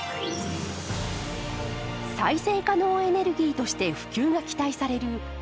再生可能エネルギーとして普及が期待される洋上風力発電。